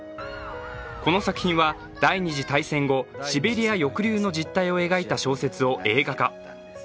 この作品は第二次大戦後シベリア抑留の実態を描いた小説を映画化。